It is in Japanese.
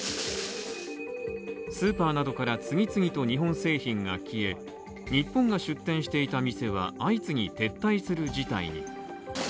スーパーなどから次々と日本製品が消え、日本が出店していた店は相次ぎ、撤退する事態に。